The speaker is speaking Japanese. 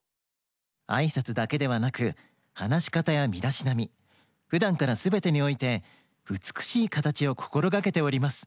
あいさつだけではなくはなしかたやみだしなみふだんからすべてにおいてうつくしいかたちをこころがけております。